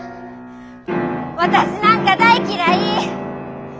私なんか大嫌い！